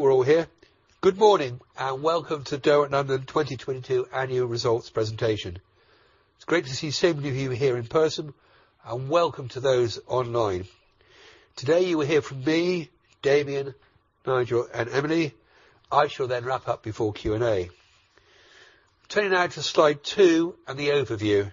We're all here. Good morning. Welcome to Derwent London 2022 annual results presentation. It's great to see so many of you here in person. Welcome to those online. Today, you will hear from me, Damien, Nigel, and Emily. I shall then wrap up before Q&A. Turning now to slide two and the overview.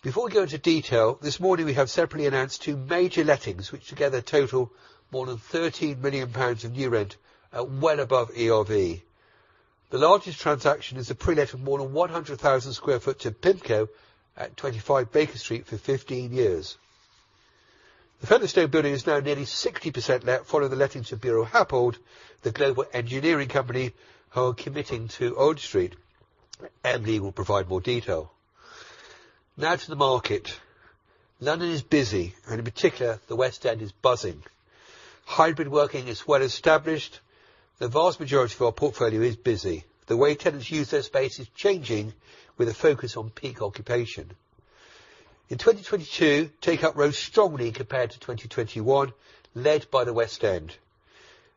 Before we go into detail, this morning we have separately announced two major lettings, which together total more than 13 million pounds of new rent at well above ERV. The largest transaction is the pre-let of more than 100,000 sq ft to PIMCO at 25 Baker Street for 15 years. The Featherstone building is now nearly 60% let following the letting to Buro Happold, the global engineering company who are committing to Old Street. Emily will provide more detail. Now to the market. London is busy, and in particular, the West End is buzzing. Hybrid working is well established. The vast majority of our portfolio is busy. The way tenants use their space is changing with a focus on peak occupation. In 2022, take-up rose strongly compared to 2021, led by the West End.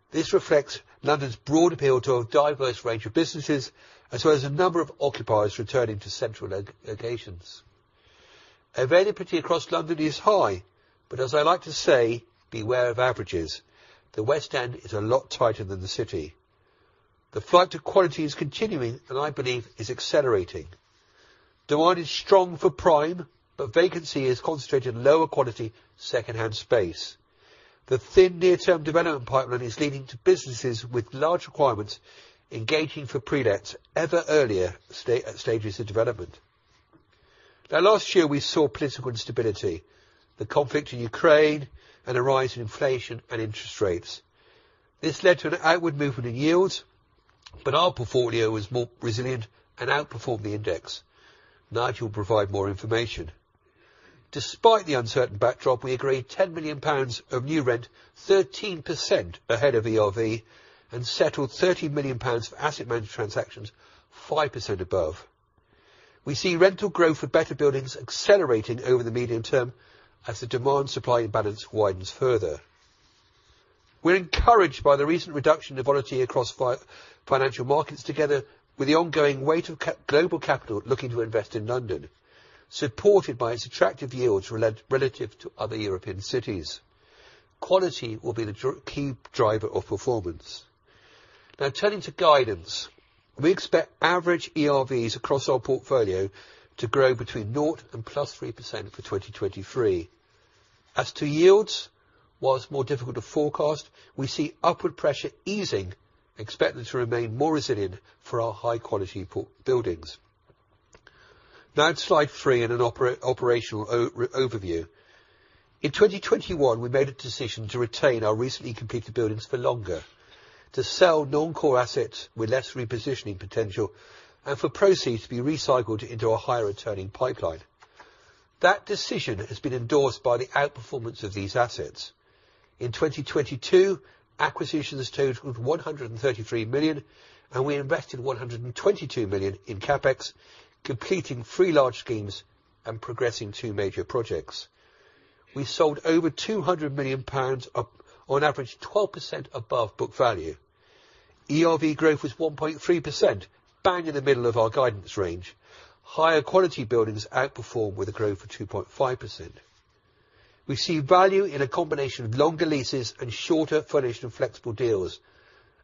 This reflects London's broad appeal to a diverse range of businesses, as well as a number of occupiers returning to central locations. Availability across London is high, but as I like to say, beware of averages. The West End is a lot tighter than the City. The flight to quality is continuing, and I believe is accelerating. Demand is strong for prime, but vacancy is concentrated in lower quality secondhand space. The thin near-term development pipeline is leading to businesses with large requirements engaging for pre-lets ever earlier stages of development. Last year, we saw political instability, the conflict in Ukraine, and a rise in inflation and interest rates. This led to an outward movement in yields, our portfolio was more resilient and outperformed the index. Nigel will provide more information. Despite the uncertain backdrop, we agreed 10 million pounds of new rent, 13% ahead of ERV, and settled 30 million pounds for asset managed transactions, 5% above. We see rental growth for better buildings accelerating over the medium term as the demand supply balance widens further. We're encouraged by the recent reduction in volatility across financial markets, together with the ongoing weight of global capital looking to invest in London, supported by its attractive yields relative to other European cities. Quality will be the key driver of performance. Turning to guidance. We expect average ERVs across our portfolio to grow between north and +3% for 2023. To yields, while it's more difficult to forecast, we see upward pressure easing, expected to remain more resilient for our high-quality buildings. To slide 3 and an operational overview. In 2021, we made a decision to retain our recently completed buildings for longer, to sell non-core assets with less repositioning potential, for proceeds to be recycled into a higher returning pipeline. That decision has been endorsed by the outperformance of these assets. In 2022, acquisitions totaled 133 million, we invested 122 million in CapEx, completing three large schemes and progressing two major projects. We sold over 200 million pounds, on average, 12% above book value. ERV growth was 1.3%, bang in the middle of our guidance range. Higher quality buildings outperformed with a growth of 2.5%. We see value in a combination of longer leases and shorter furnished and flexible deals.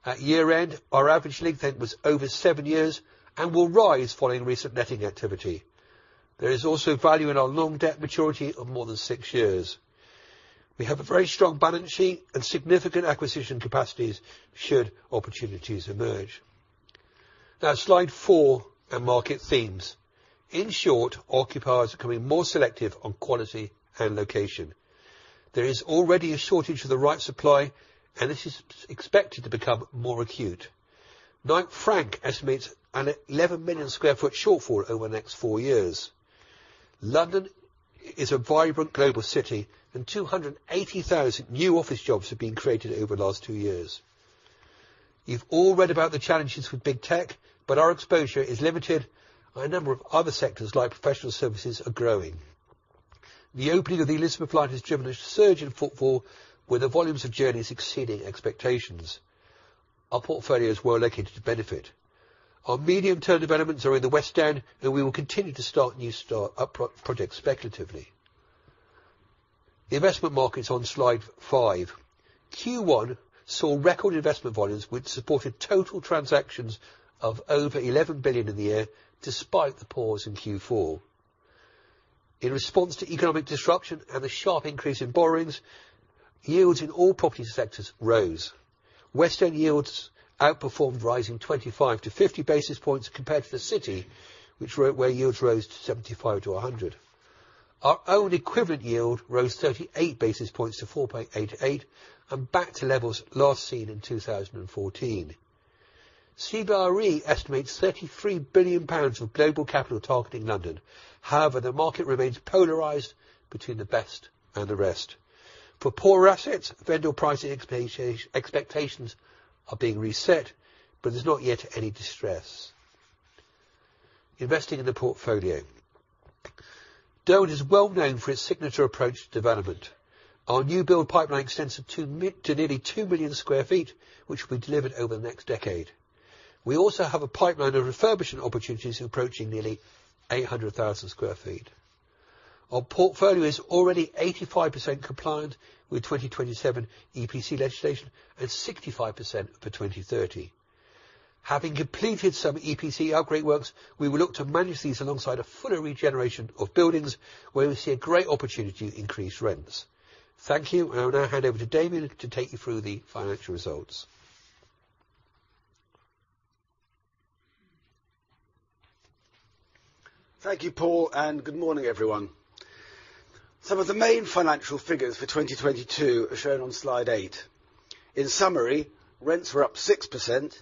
At year-end, our average lease length was over seven years and will rise following recent letting activity. There is also value in our long debt maturity of more than six years. We have a very strong balance sheet and significant acquisition capacities should opportunities emerge. Slide four, our market themes. In short, occupiers are becoming more selective on quality and location. There is already a shortage of the right supply, this is expected to become more acute. Knight Frank estimates an 11 million sq ft shortfall over the next four years. London is a vibrant global city, and 280,000 new office jobs have been created over the last two years. You've all read about the challenges with big tech, but our exposure is limited, and a number of other sectors, like professional services, are growing. The opening of the Elizabeth line has driven a surge in footfall, with the volumes of journeys exceeding expectations. Our portfolio is well located to benefit. Our medium-term developments are in the West End, and we will continue to start new up- projects speculatively. The investment market is on slide five. Q1 saw record investment volumes, which supported total transactions of over 11 billion in the year, despite the pause in Q4. In response to economic disruption and the sharp increase in borrowings, yields in all property sectors rose. West End yields outperformed, rising 25-50 basis points compared to the city, which where yields rose to 75-100 basis points. Our own equivalent yield rose 38 basis points to 4.88 and back to levels last seen in 2014. CBRE estimates 33 billion pounds of global capital targeting London. The market remains polarized between the best and the rest. For poorer assets, vendor pricing expectations are being reset, but there's not yet any distress. Investing in the portfolio. Derwent is well known for its signature approach to development. Our new build pipeline extends to nearly 2 million sq ft, which will be delivered over the next decade. We also have a pipeline of refurbishment opportunities approaching nearly 800,000 sq ft. Our portfolio is already 85% compliant with 2027 EPC legislation and 65% for 2030. Having completed some EPC upgrade works, we will look to manage these alongside a fuller regeneration of buildings where we see a great opportunity to increase rents. Thank you. I will now hand over to David to take you through the financial results. Thank you, Paul, and good morning, everyone. Some of the main financial figures for 2022 are shown on slide eight. In summary, rents were up 6%,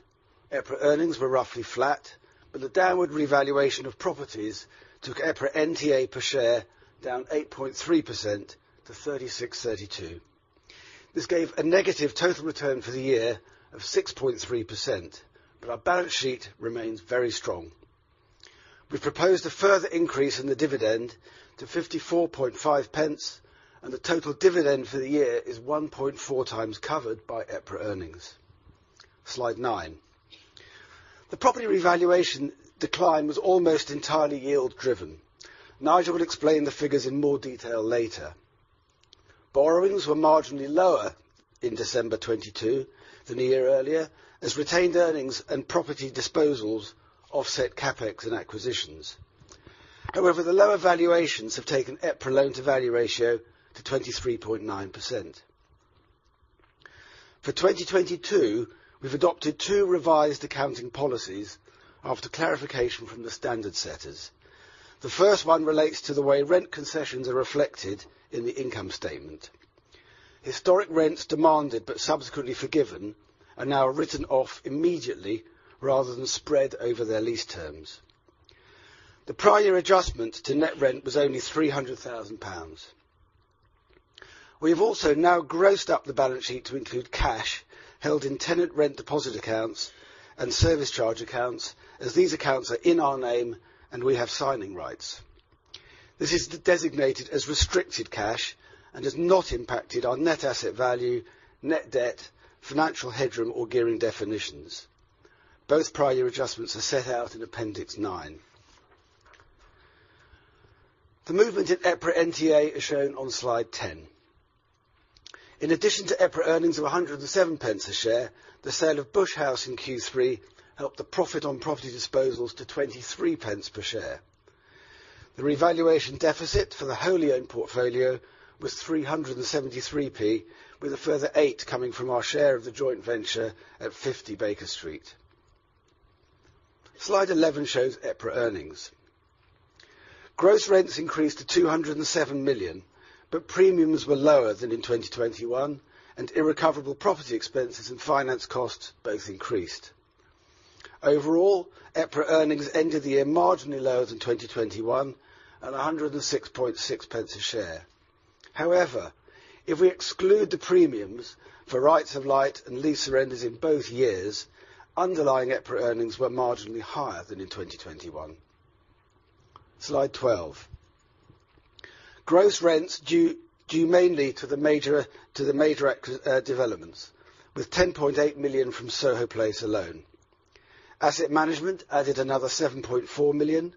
EPRA earnings were roughly flat. The downward revaluation of properties took EPRA NTA per share down 8.3% to 36.32. This gave a negative total return for the year of 6.3%. Our balance sheet remains very strong. We've proposed a further increase in the dividend to 0.545. The total dividend for the year is 1.4x covered by EPRA earnings. Slide nine. The property revaluation decline was almost entirely yield-driven. Nigel will explain the figures in more detail later. Borrowings were marginally lower in December 2022 than a year earlier, as retained earnings and property disposals offset CapEx and acquisitions. The lower valuations have taken EPRA Loan-to-Value ratio to 23.9%. For 2022, we've adopted two revised accounting policies after clarification from the standard setters. The first one relates to the way rent concessions are reflected in the income statement. Historic rents demanded but subsequently forgiven are now written off immediately rather than spread over their lease terms. The prior year adjustment to net rent was only 300,000 pounds. We have also now grossed up the balance sheet to include cash held in tenant rent deposit accounts and service charge accounts, as these accounts are in our name and we have signing rights. This is designated as restricted cash and has not impacted our net asset value, net debt, financial headroom, or gearing definitions. Both prior year adjustments are set out in appendix nine. The movement in EPRA NTA is shown on slide 10. In addition to EPRA earnings of 1.07 a share, the sale of Bush House in Q3 helped the profit on property disposals to 0.23 per share. The revaluation deficit for the wholly owned portfolio was 3.73, with a further 0.08 coming from our share of the joint venture at 50 Baker Street. Slide 11 shows EPRA earnings. Gross rents increased to 207 million, premiums were lower than in 2021, and irrecoverable property expenses and finance costs both increased. Overall, EPRA earnings ended the year marginally lower than 2021 at 1.066 a share. If we exclude the premiums for rights of light and lease surrenders in both years, underlying EPRA earnings were marginally higher than in 2021. Slide 12. Gross rents due mainly to the major developments, with 10.8 million from Soho Place alone. Asset management added another 7.4 million.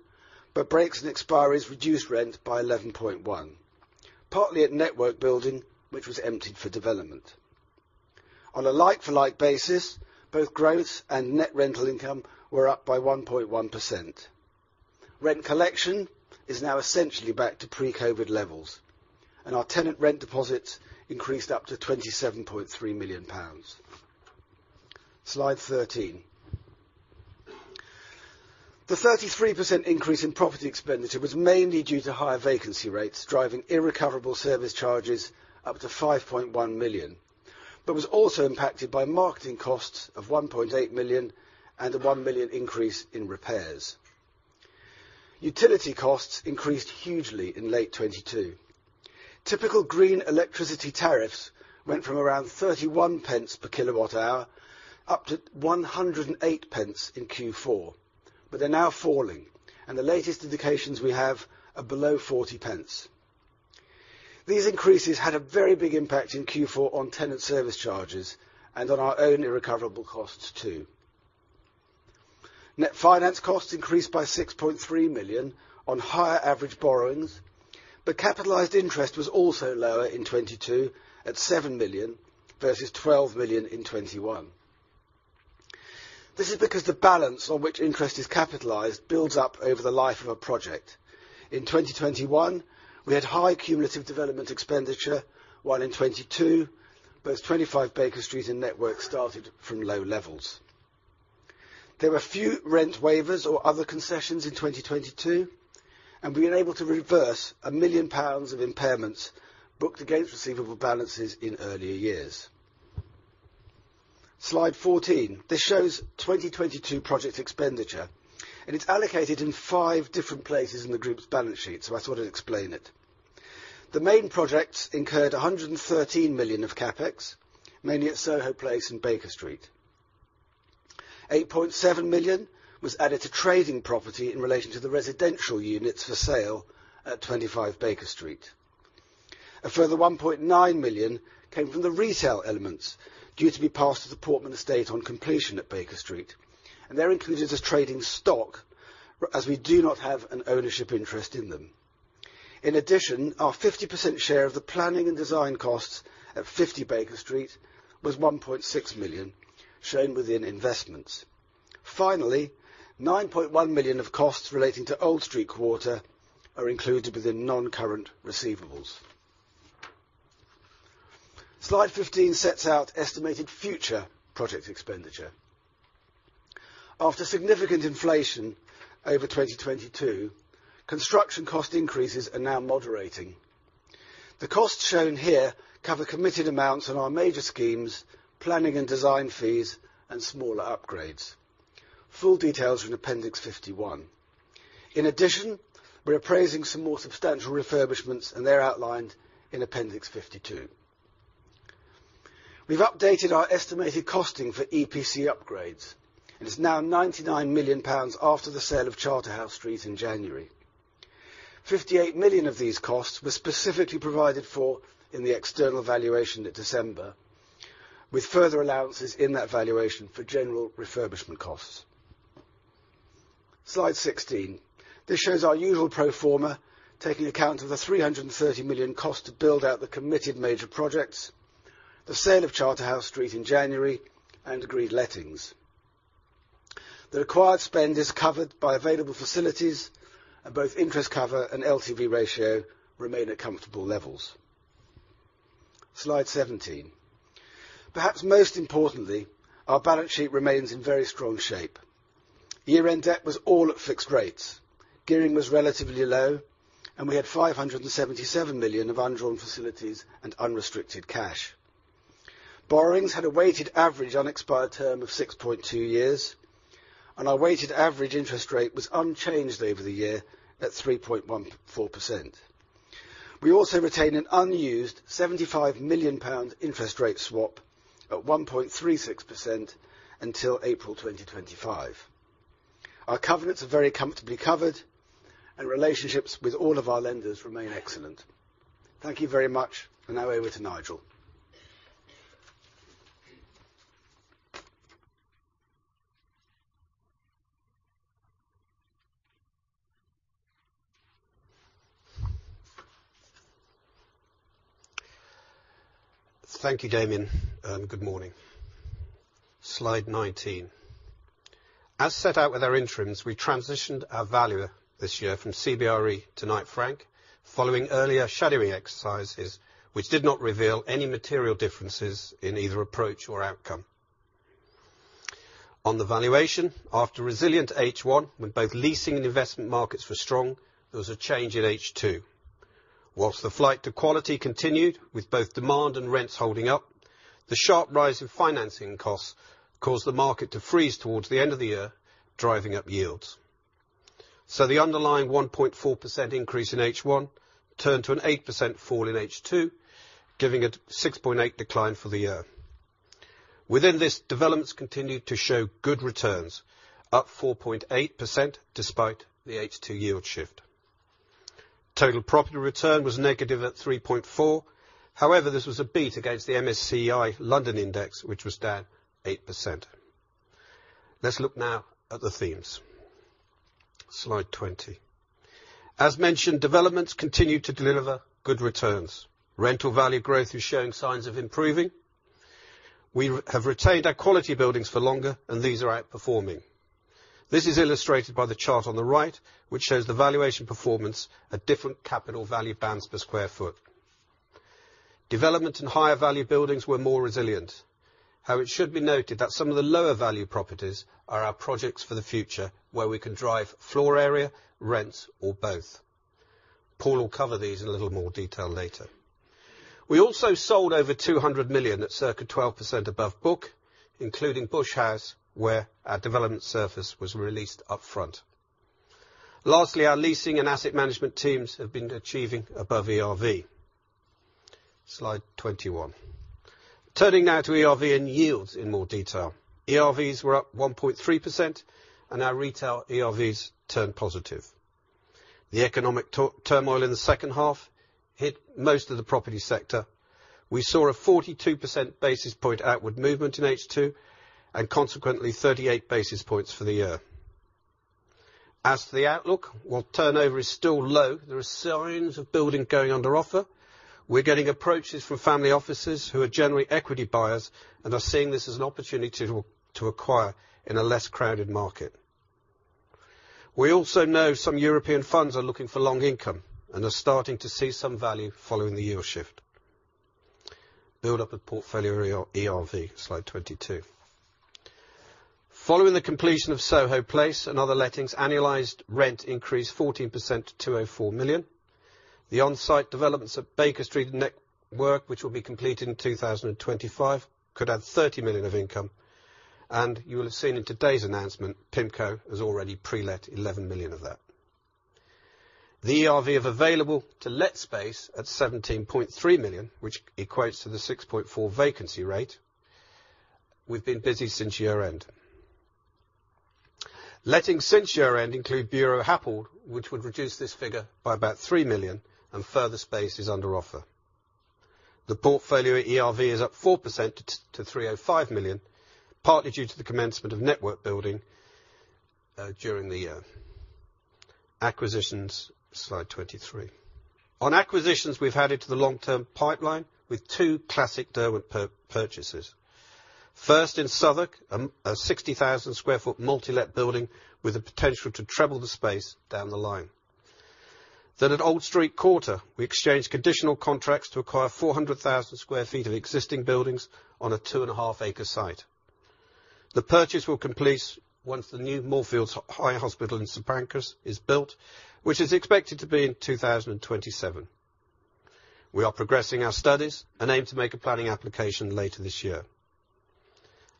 Breaks and expiries reduced rent by 11.1 million, partly at Network Building, which was emptied for development. On a like-for-like basis, both gross and net rental income were up by 1.1%. Rent collection is now essentially back to pre-COVID levels, and our tenant rent deposits increased up to 27.3 million pounds. Slide 13. The 33% increase in property expenditure was mainly due to higher vacancy rates, driving irrecoverable service charges up to 5.1 million, but was also impacted by marketing costs of 1.8 million and a 1 million increase in repairs. Utility costs increased hugely in late 2022. Typical green electricity tariffs went from around 0.31 per kilowatt hour up to 1.08 in Q4. They're now falling, and the latest indications we have are below 0.40. These increases had a very big impact in Q4 on tenant service charges and on our own irrecoverable costs too. Net finance costs increased by 6.3 million on higher average borrowings. Capitalized interest was also lower in 2022 at 7 million versus 12 million in 2021. This is because the balance on which interest is capitalized builds up over the life of a project. In 2021, we had high cumulative development expenditure, while in 2022, both 25 Baker Street and Network started from low levels. There were few rent waivers or other concessions in 2022. We were able to reverse 1 million pounds of impairments booked against receivable balances in earlier years. Slide 14. This shows 2022 project expenditure, and it's allocated in five different places in the group's balance sheet, so I thought I'd explain it. The main projects incurred 113 million of CapEx, mainly at Soho Place and Baker Street. 8.7 million was added to trading property in relation to the residential units for sale at 25 Baker Street. A further 1.9 million came from the retail elements due to be passed to The Portman Estate on completion at Baker Street. They're included as trading stock as we do not have an ownership interest in them. In addition, our 50% share of the planning and design costs at 50 Baker Street was 1.6 million, shown within investments. Finally, 9.1 million of costs relating to Old Street Quarter are included within non-current receivables. Slide 15 sets out estimated future project expenditure. After significant inflation over 2022, construction cost increases are now moderating. The costs shown here cover committed amounts on our major schemes, planning and design fees, and smaller upgrades. Full details are in appendix 51. In addition, we're appraising some more substantial refurbishments, and they're outlined in appendix 52. We've updated our estimated costing for EPC upgrades, and it's now 99 million pounds after the sale of Charterhouse Street in January. 58 million of these costs were specifically provided for in the external valuation at December, with further allowances in that valuation for general refurbishment costs. Slide 16. This shows our usual pro forma, taking account of the 330 million cost to build out the committed major projects, the sale of Charterhouse Street in January, and agreed lettings. The required spend is covered by available facilities, both interest cover and LTV ratio remain at comfortable levels. Slide 17. Perhaps most importantly, our balance sheet remains in very strong shape. Year-end debt was all at fixed rates. Gearing was relatively low, we had 577 million of undrawn facilities and unrestricted cash. Borrowings had a weighted average unexpired term of 6.2 years, our weighted average interest rate was unchanged over the year at 3.14%. We also retain an unused 75 million pound interest rate swap at 1.36% until April 2025. Our covenants are very comfortably covered, relationships with all of our lenders remain excellent. Thank you very much. Now over to Nigel. Thank you, Damien. Good morning. Slide 19. As set out with our interims, we transitioned our valuer this year from CBRE to Knight Frank following earlier shadowing exercises, which did not reveal any material differences in either approach or outcome. On the valuation, after a resilient H1, when both leasing and investment markets were strong, there was a change in H2. Whilst the flight to quality continued, with both demand and rents holding up, the sharp rise in financing costs caused the market to freeze towards the end of the year, driving up yields. The underlying 1.4% increase in H1 turned to an 8% fall in H2, giving a 6.8% decline for the year. Within this, developments continued to show good returns, up 4.8% despite the H2 yield shift. Total property return was negative at 3.4%. This was a beat against the MSCI London index, which was down 8%. Let's look now at the themes. Slide 20. As mentioned, developments continued to deliver good returns. Rental value growth is showing signs of improving. We have retained our quality buildings for longer, and these are outperforming. This is illustrated by the chart on the right, which shows the valuation performance at different capital value bands per square foot. Development in higher value buildings were more resilient, though it should be noted that some of the lower value properties are our projects for the future, where we can drive floor area, rents, or both. Paul will cover these in a little more detail later. We also sold over 200 million at circa 12% above book, including Bush House, where our development surface was released upfront. Lastly, our leasing and asset management teams have been achieving above ERV. Slide 21. Turning now to ERV and yields in more detail. ERVs were up 1.3%. Our retail ERVs turned positive. The economic turmoil in the second half hit most of the property sector. We saw a 42 percent basis point outward movement in H2. Consequently, 38 basis points for the year. As to the outlook, while turnover is still low, there are signs of building going under offer. We're getting approaches from family offices who are generally equity buyers and are seeing this as an opportunity to acquire in a less crowded market. We also know some European funds are looking for long income and are starting to see some value following the yield shift. Build-up of portfolio ERV, slide 22. Following the completion of Soho Place and other lettings, annualized rent increased 14% to 204 million. The on-site developments at Baker Street network, which will be completed in 2025, could add 30 million of income. You will have seen in today's announcement, PIMCO has already pre-let 11 million of that. The ERV of available to let space at 17.3 million, which equates to the 6.4% vacancy rate, we've been busy since year-end. Letting since year-end include Buro Happold, which would reduce this figure by about 3 million, and further space is under offer. The portfolio ERV is up 4% to 305 million, partly due to the commencement of network building during the year. Acquisitions, slide 23. On acquisitions, we've added to the long-term pipeline with two classic Derwent purchases. First, in Southwark, a 60,000 sq ft multi-let building with the potential to treble the space down the line. At Old Street Quarter, we exchanged conditional contracts to acquire 400,000 sq ft of existing buildings on a 2.5 acre site. The purchase will complete once the new Moorfields Eye Hospital in St Pancras is built, which is expected to be in 2027. We are progressing our studies and aim to make a planning application later this year.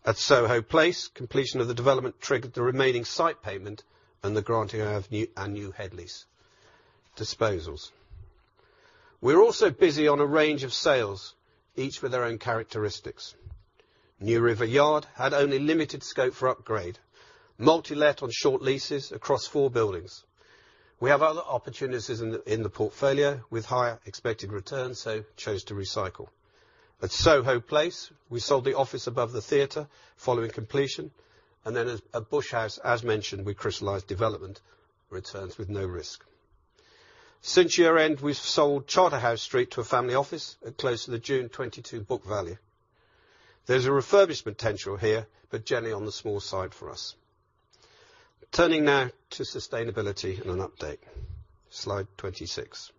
At Soho Place, completion of the development triggered the remaining site payment and the granting of a new headlease. Disposals. We are also busy on a range of sales, each with their own characteristics. New River Yard had only limited scope for upgrade, multi-let on short leases across four buildings. We have other opportunities in the portfolio with higher expected returns, so chose to recycle. At Soho Place, we sold the office above the theater following completion, and then at Bush House, as mentioned, we crystallized development returns with no risk. Since year-end, we've sold Charterhouse Street to a family office at close to the June 2022 book value. There's a refurbishment potential here, but generally on the small side for us. Turning now to sustainability and an update. Slide 26.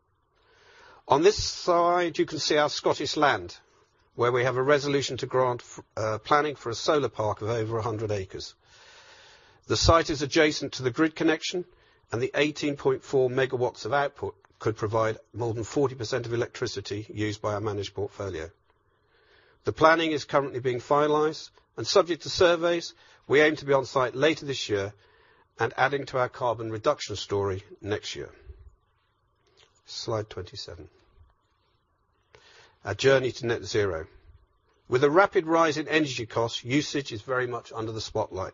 On this slide, you can see our Scottish land, where we have a resolution to grant planning for a solar park of over 100 acres. The site is adjacent to the grid connection, and the 18.4 MW of output could provide more than 40% of electricity used by our managed portfolio. The planning is currently being finalized, and subject to surveys, we aim to be on site later this year and adding to our carbon reduction story next year. Slide 27. Our journey to net zero. With a rapid rise in energy costs, usage is very much under the spotlight.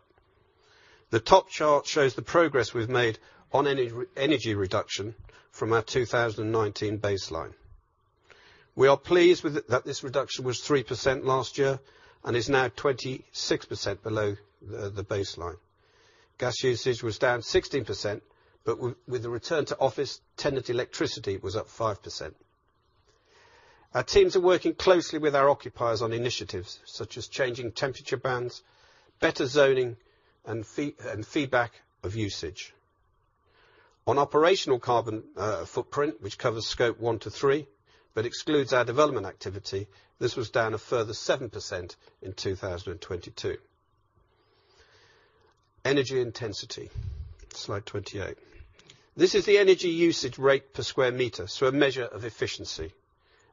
The top chart shows the progress we've made on energy reduction from our 2019 baseline. We are pleased with it that this reduction was 3% last year and is now 26% below the baseline. Gas usage was down 16%, but with the return to office, tenant electricity was up 5%. Our teams are working closely with our occupiers on initiatives such as changing temperature bands, better zoning, and feedback of usage. On operational carbon footprint, which covers scope one to three but excludes our development activity, this was down a further 7% in 2022. Energy intensity, slide 28. This is the energy usage rate per square meter, so a measure of efficiency.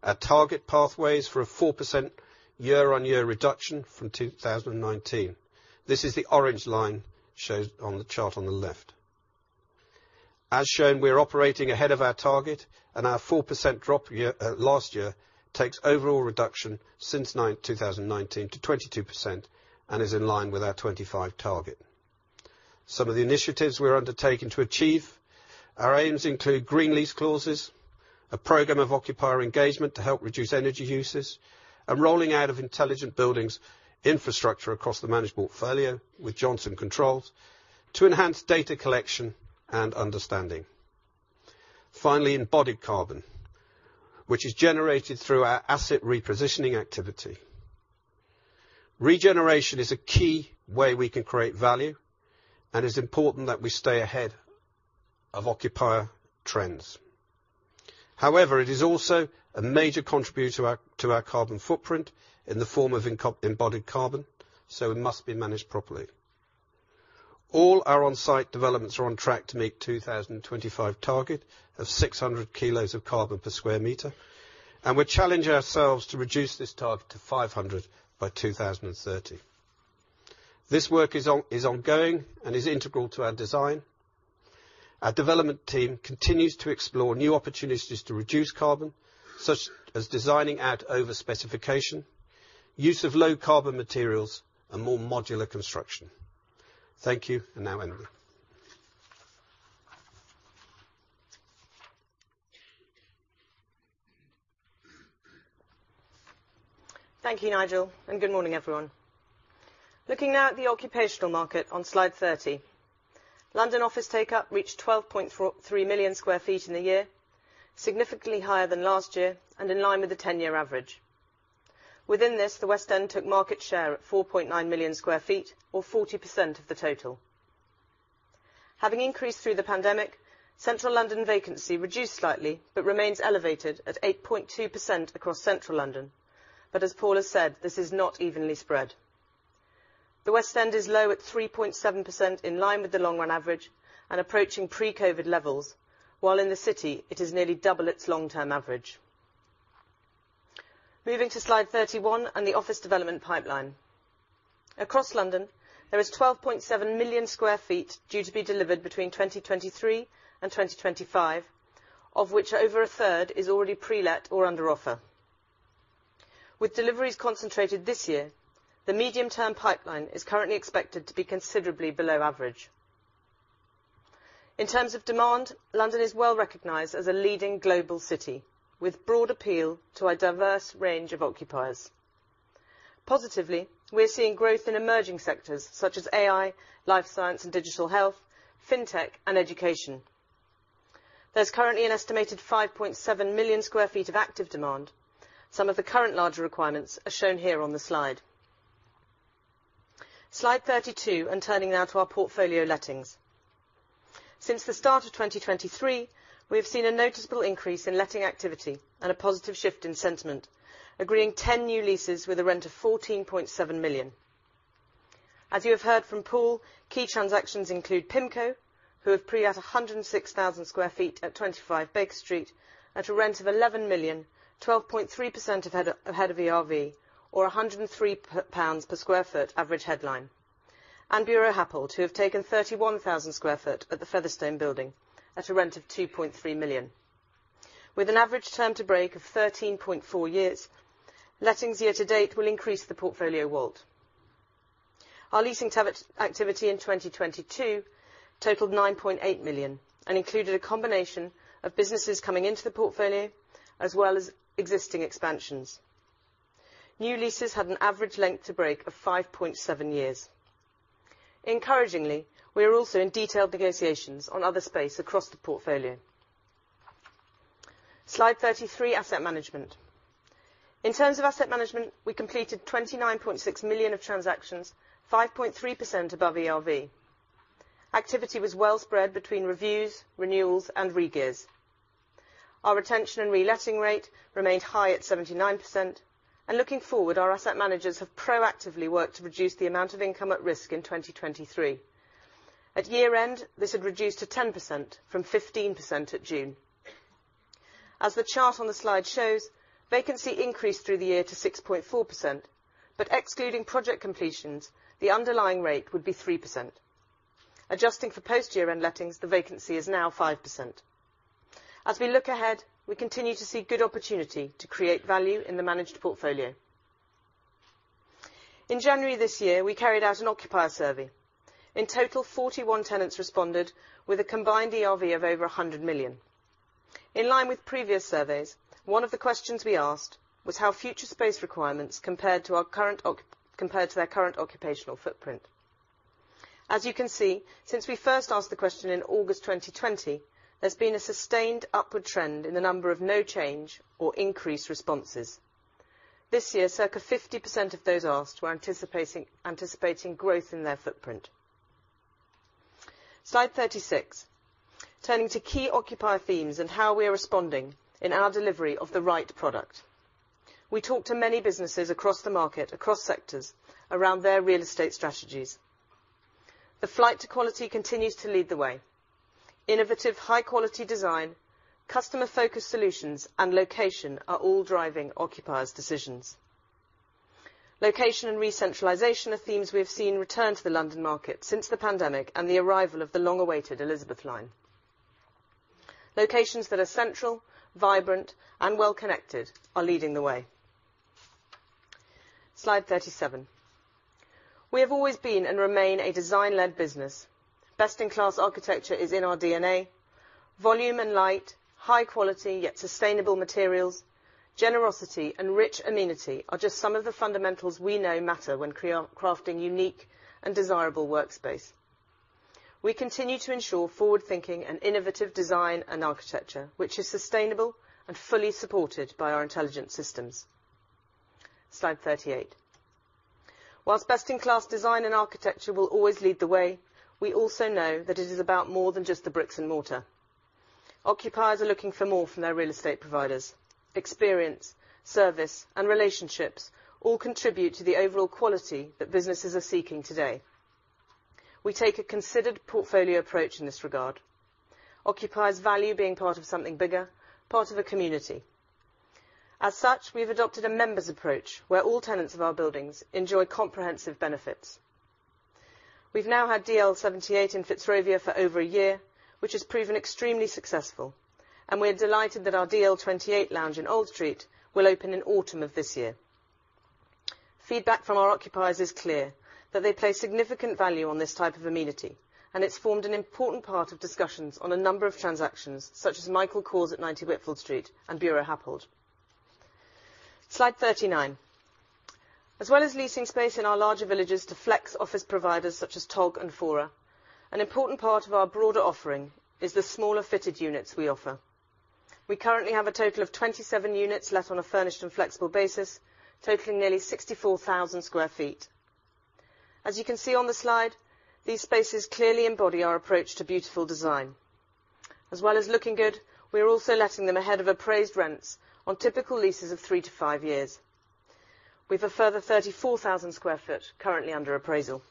Our target pathway is for a 4% year-on-year reduction from 2019. This is the orange line shows on the chart on the left. As shown, we are operating ahead of our target, and our 4% drop year last year takes overall reduction since 2019 to 22% and is in line with our 25% target. Some of the initiatives we're undertaking to achieve our aims include green lease clauses, a program of occupier engagement to help reduce energy usage, and rolling out of intelligent buildings infrastructure across the managed portfolio with Johnson Controls to enhance data collection and understanding. Finally, embodied carbon, which is generated through our asset repositioning activity. Regeneration is a key way we can create value and is important that we stay ahead of occupier trends. However, it is also a major contributor to our carbon footprint in the form of embodied carbon, so it must be managed properly. All our on-site developments are on track to meet 2025 target of 600 kilos of carbon per square meter, and we're challenging ourselves to reduce this target to 500 by 2030. This work is ongoing and is integral to our design. Our development team continues to explore new opportunities to reduce carbon, such as designing out over-specification, use of low-carbon materials, and more modular construction. Thank you. Now Emily. Thank you, Nigel, and good morning, everyone. Looking now at the occupational market on slide 30. London office take-up reached 12.43 million square feet in the year, significantly higher than last year and in line with the 10-year average. Within this, the West End took market share at 4.9 million square feet or 40% of the total. Having increased through the pandemic, Central London vacancy reduced slightly but remains elevated at 8.2% across Central London. As Paul has said, this is not evenly spread. The West End is low at 3.7%, in line with the long-run average and approaching pre-COVID levels, while in the city it is nearly double its long-term average. Moving to slide 31 and the office development pipeline. Across London, there is 12.7 million sq ft due to be delivered between 2023 and 2025, of which over a third is already pre-let or under offer. With deliveries concentrated this year, the medium-term pipeline is currently expected to be considerably below average. In terms of demand, London is well-recognized as a leading global city with broad appeal to a diverse range of occupiers. Positively, we're seeing growth in emerging sectors such as AI, life science and digital health, fintech, and education. There's currently an estimated 5.7 million sq ft of active demand. Some of the current larger requirements are shown here on the slide. Slide 32, turning now to our portfolio lettings. Since the start of 2023, we have seen a noticeable increase in letting activity and a positive shift in sentiment, agreeing 10 new leases with a rent of 14.7 million. As you have heard from Paul, key transactions include PIMCO, who have pre-let 106,000 sq ft at Twenty-Five Baker Street at a rent of 11 million, 12.3% of head, ahead of ERV, or 103 pounds per sq ft average headline. Buro Happold, who have taken 31,000 sq ft at the Featherstone building at a rent of 2.3 million. With an average term to break of 13.4 years, lettings year to date will increase the portfolio WALT. Our leasing activity in 2022 totaled 9.8 million. Included a combination of businesses coming into the portfolio, as well as existing expansions. New leases had an average length to break of 5.7 years. Encouragingly, we are also in detailed negotiations on other space across the portfolio. Slide 33, asset management. In terms of asset management, we completed 29.6 million of transactions, 5.3% above ERV. Activity was well spread between reviews, renewals, and regears. Our retention and reletting rate remained high at 79%. Looking forward, our asset managers have proactively worked to reduce the amount of income at risk in 2023. At year-end, this had reduced to 10% from 15% at June. As the chart on the slide shows, vacancy increased through the year to 6.4%. Excluding project completions, the underlying rate would be 3%. Adjusting for post year-end lettings, the vacancy is now 5%. As we look ahead, we continue to see good opportunity to create value in the managed portfolio. In January this year, we carried out an occupier survey. In total, 41 tenants responded with a combined ERV of over 100 million. In line with previous surveys, one of the questions we asked was how future space requirements compared to their current occupational footprint. As you can see, since we first asked the question in August 2020, there's been a sustained upward trend in the number of no change or increased responses. This year, circa 50% of those asked were anticipating growth in their footprint. Slide 36, turning to key occupier themes and how we are responding in our delivery of the right product. We talked to many businesses across the market, across sectors around their real estate strategies. The flight to quality continues to lead the way. Innovative high quality design, customer-focused solutions, and location are all driving occupiers' decisions. Location and recentralization are themes we have seen return to the London market since the pandemic and the arrival of the long-awaited Elizabeth line. Locations that are central, vibrant, and well-connected are leading the way. Slide 37. We have always been and remain a design-led business. Best-in-class architecture is in our DNA. Volume and light, high quality, yet sustainable materials, generosity and rich amenity are just some of the fundamentals we know matter when crafting unique and desirable workspace. We continue to ensure forward-thinking and innovative design and architecture, which is sustainable and fully supported by our intelligent systems. Slide 38. Whilst best in class design and architecture will always lead the way, we also know that it is about more than just the bricks and mortar. Occupiers are looking for more from their real estate providers. Experience, service, and relationships all contribute to the overall quality that businesses are seeking today. We take a considered portfolio approach in this regard. Occupiers value being part of something bigger, part of a community. We've adopted a members approach where all tenants of our buildings enjoy comprehensive benefits. We've now had DL78 in Fitzrovia for over a year, which has proven extremely successful, and we're delighted that our DL28 lounge in Old Street will open in autumn of this year. Feedback from our occupiers is clear that they place significant value on this type of amenity, and it's formed an important part of discussions on a number of transactions such as Michael Kors at 90 Whitfield Street and Buro Happold. Slide 39. As well as leasing space in our larger villages to flex office providers such as TOG and Fora, an important part of our broader offering is the smaller fitted units we offer. We currently have a total of 27 units let on a furnished and flexible basis, totaling nearly 64,000 sq ft. As you can see on the slide, these spaces clearly embody our approach to beautiful design. As well as looking good, we are also letting them ahead of appraised rents on typical leases of three to five years. We've a further 34,000 sq ft currently under appraisal.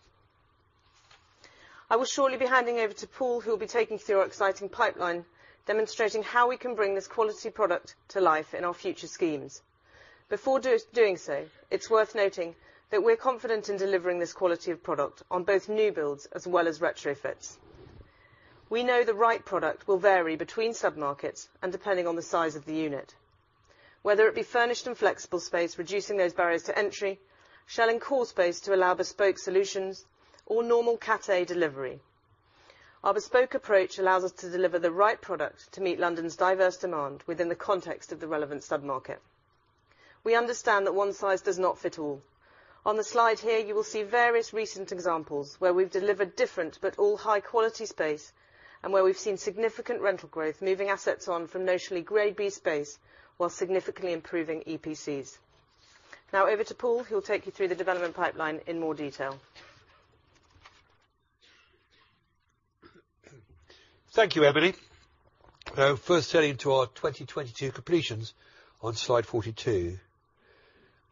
I will shortly be handing over to Paul, who will be taking us through our exciting pipeline, demonstrating how we can bring this quality product to life in our future schemes. Before doing so, it's worth noting that we're confident in delivering this quality of product on both new builds as well as retrofits. We know the right product will vary between submarkets and depending on the size of the unit. Whether it be furnished in flexible space, reducing those barriers to entry, shell and core space to allow bespoke solutions or normal Cat A delivery. Our bespoke approach allows us to deliver the right product to meet London's diverse demand within the context of the relevant submarket. We understand that one size does not fit all. On the slide here, you will see various recent examples where we've delivered different but all high-quality space, and where we've seen significant rental growth, moving assets on from notionally grade B space, while significantly improving EPCs. Over to Paul, who'll take you through the development pipeline in more detail. Thank you, Emily. First turning to our 2022 completions on slide 42.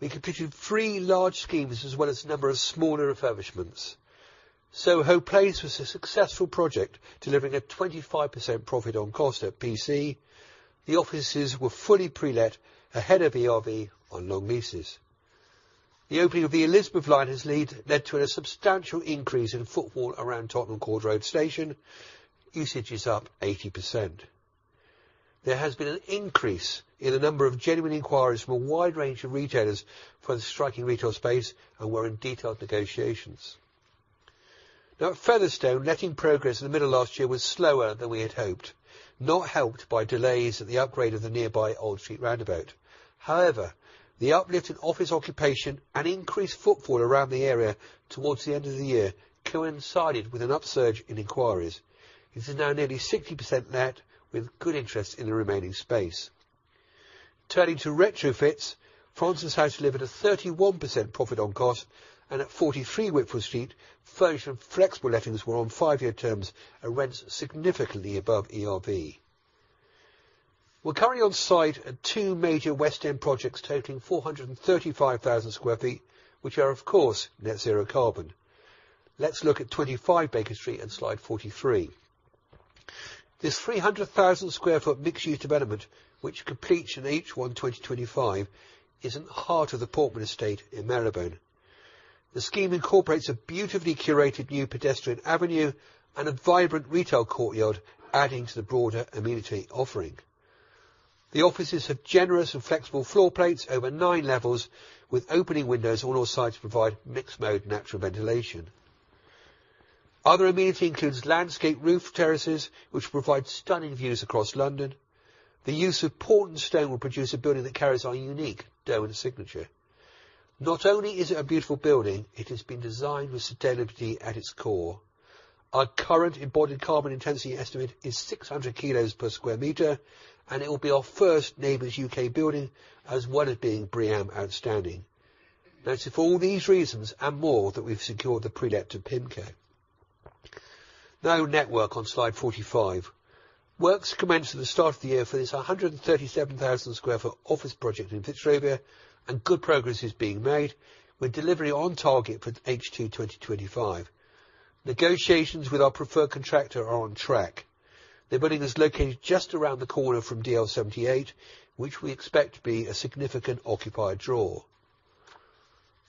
We completed three large schemes, as well as a number of smaller refurbishments. Soho Place was a successful project, delivering a 25% profit on cost at PC. The offices were fully pre-let ahead of the RV on long leases. The opening of the Elizabeth line has led to a substantial increase in footfall around Tottenham Court Road station. Usage is up 80%. There has been an increase in the number of genuine inquiries from a wide range of retailers for the striking retail space, and we're in detailed negotiations. At Featherstone, letting progress in the middle of last year was slower than we had hoped, not helped by delays of the upgrade of the nearby Old Street roundabout. The uplift in office occupation and increased footfall around the area towards the end of the year coincided with an upsurge in inquiries. It is now nearly 60% let, with good interest in the remaining space. Turning to retrofits, Francis House delivered a 31% profit on cost, and at 43 Whitfield Street, furnished and flexible lettings were on five year terms and rents significantly above ERV. We're currently on site at two major West End projects totaling 435,000 sq ft, which are, of course, net zero carbon. Let's look at 25 Baker Street on slide 43. This 300,000 sq ft mixed-use development, which completes in H1, 2025, is in the heart of The Portman Estate in Marylebone. The scheme incorporates a beautifully curated new pedestrian avenue and a vibrant retail courtyard, adding to the broader amenity offering. The offices have generous and flexible floor plates over nine levels, with opening windows on all sides to provide mixed mode natural ventilation. Other amenity includes landscaped roof terraces, which provide stunning views across London. The use of Portland stone will produce a building that carries our unique Derwent signature. Not only is it a beautiful building, it has been designed with sustainability at its core. Our current embodied carbon intensity estimate is 600 kilos per square meter, and it will be our first NABERS UK building, as well as being BREEAM outstanding. It's for all these reasons and more that we've secured the pre-let to PIMCO. Now Network on slide 45. Works commenced at the start of the year for this 137,000 sq ft office project in Fitzrovia, and good progress is being made with delivery on target for H2, 2025. Negotiations with our preferred contractor are on track. The building is located just around the corner from DL78, which we expect to be a significant occupier draw.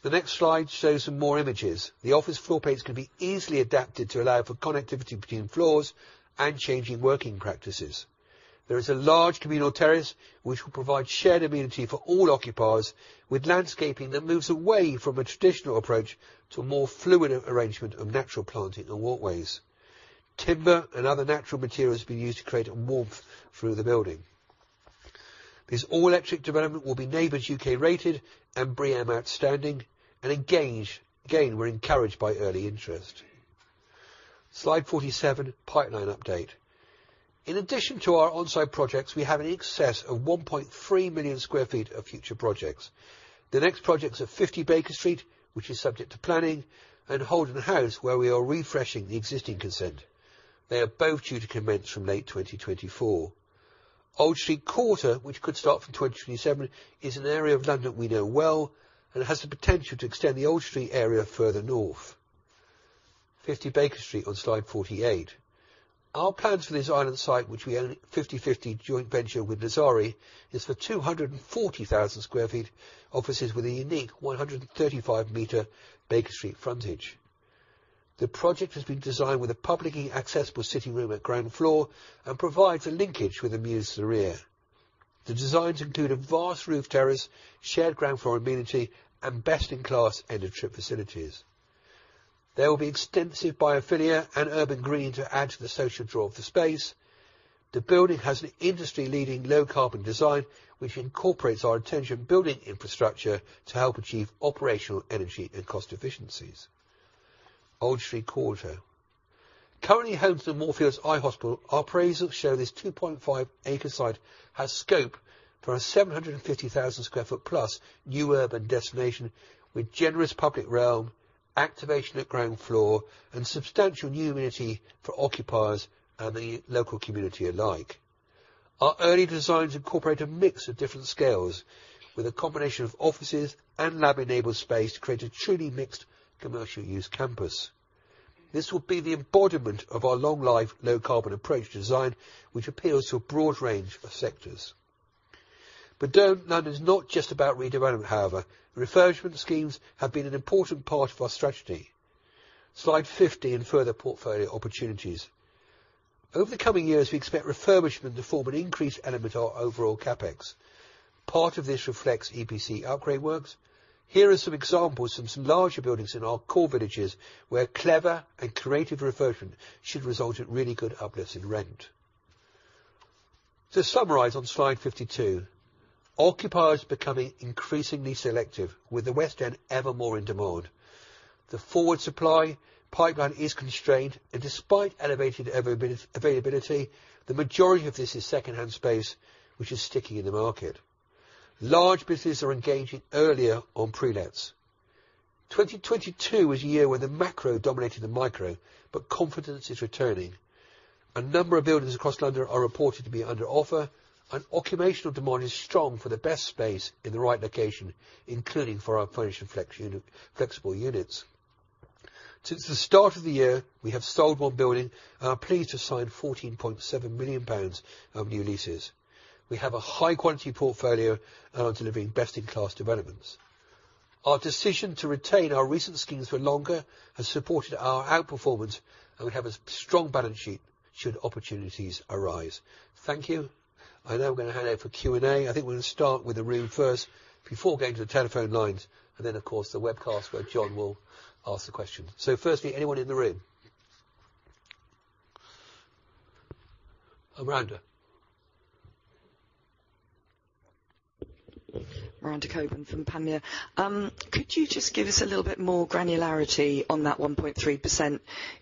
The next slide shows some more images. The office floor plates can be easily adapted to allow for connectivity between floors and changing working practices. There is a large communal terrace which will provide shared amenity for all occupiers, with landscaping that moves away from a traditional approach to a more fluid arrangement of natural planting and walkways. Timber and other natural materials have been used to create warmth through the building. This all-electric development will be NABERS UK rated and BREEAM outstanding. Again, we're encouraged by early interest. Slide 47, pipeline update. In addition to our on-site projects, we have in excess of 1.3 million sq ft of future projects. The next projects are 50 Baker Street, which is subject to planning, and Holden House, where we are refreshing the existing consent. They are both due to commence from late 2024. Old Street Quarter, which could start from 2027, is an area of London we know well and has the potential to extend the Old Street area further north. 50 Baker Street on slide 48. Our plans for this island site, which we own in a 50/50 joint venture with Nazari, is for 240,000 sq ft, offices with a unique 135 m Baker Street frontage. The project has been designed with a publicly accessible sitting room at ground floor and provides a linkage with the museum's rear. The designs include a vast roof terrace, shared ground floor amenity, and best-in-class end-of-trip facilities. There will be extensive biophilia and urban green to add to the social draw of the space. The building has an industry-leading low carbon design, which incorporates our intention building infrastructure to help achieve operational energy and cost efficiencies. Old Street Quarter. Currently home to the Moorfields Eye Hospital, our appraisals show this 2.5 acre site has scope for a 750,000 sq ft plus new urban destination with generous public realm, activation at ground floor, and substantial new amenity for occupiers and the local community alike. Early designs incorporate a mix of different scales, with a combination of offices and lab-enabled space to create a truly mixed commercial use campus. This will be the embodiment of our long life, low carbon approach to design, which appeals to a broad range of sectors. Don, London's not just about redevelopment however, refurbishment schemes have been an important part of our strategy. Slide 50, and further portfolio opportunities. Over the coming years, we expect refurbishment to form an increased element of our overall CapEx. Part of this reflects EPC upgrade works. Here are some examples from some larger buildings in our core villages, where clever and creative refurbishment should result in really good uplifts in rent. To summarize on slide 52, occupiers are becoming increasingly selective with the West End ever more in demand. The forward supply pipeline is constrained, and despite elevated availability, the majority of this is secondhand space, which is sticking in the market. Large businesses are engaging earlier on pre-lets. 2022 was a year when the macro dominated the micro, but confidence is returning. A number of buildings across London are reported to be under offer, occupational demand is strong for the best space in the right location, including for our furnished and flex unit, flexible units. Since the start of the year, we have sold one building, are pleased to sign 14.7 million pounds of new leases. We have a high-quality portfolio are delivering best in class developments. Our decision to retain our recent schemes for longer has supported our outperformance, we have a strong balance sheet, should opportunities arise. Thank you. We're gonna hand over for Q&A. I think we'll start with the room first before going to the telephone lines, then of course the webcast, where John will ask the questions. Firstly, anyone in the room? Miranda. Miranda Cockburn from Panmure Gordon. Could you just give us a little bit more granularity on that 1.3%